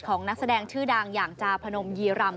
นักแสดงชื่อดังอย่างจาพนมยีรำ